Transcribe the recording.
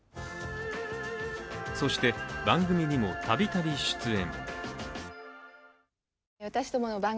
そして、番組にもたびたび出演。